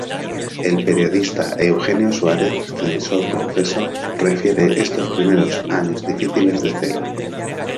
El periodista Eugenio Suárez, censor confeso, refiere estos primeros años difíciles de Cela.